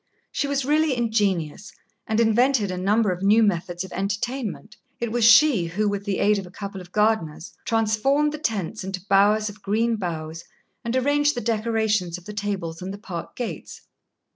She was really ingenious, and invented a number of new methods of entertainment. It was she who, with the aid of a couple of gardeners, transformed the tents into bowers of green boughs and arranged the decorations of the tables and the park gates.